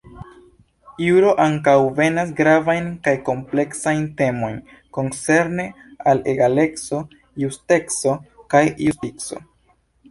Juro ankaŭ vekas gravajn kaj kompleksajn temojn koncerne al egaleco, justeco, kaj justico.